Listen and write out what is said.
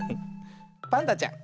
パンダちゃん